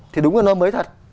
thì đúng là nó mới thật